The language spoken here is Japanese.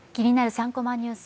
３コマニュース」